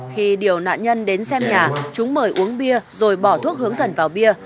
khi điều nạn nhân đến xem nhà chúng mời uống bia rồi bỏ thuốc hướng thần vào bia